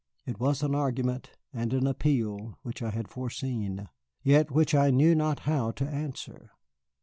It was an argument and an appeal which I had foreseen, yet which I knew not how to answer.